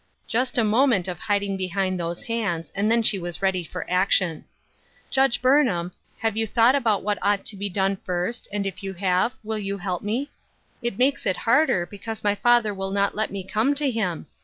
Just a moment of hiding behind those hands and then she was ready for action. " Judge Burnham, have you thought what ought to be done first, and if vou have, will vou heH me ? 178 Ruth Urskine's Crosses, It makes it harder because my father will not let me come to him.